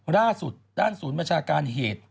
ล่าสุดด้านศูนย์บัญชาการเหตุ